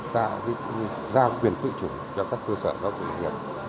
tạo ra quyền tự chủng cho các cơ sở giáo dục nghề nghiệp